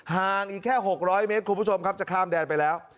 ห่างอีกแค่๖๐๐เมตรคุณผู้ชมครับจะข้ามแดนไปแล้ว